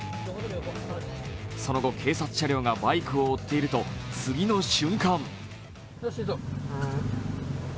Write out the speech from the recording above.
その後、警察車両がバイクを追っていると、次の瞬間